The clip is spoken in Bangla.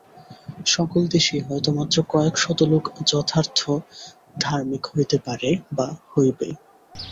সকল দেশেই হয়তো মাত্র কয়েক শত লোক যথার্থ ধার্মিক হইতে পারে বা হইবে।